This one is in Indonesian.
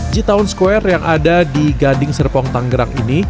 g town square yang ada di gading serpong tanggerang ini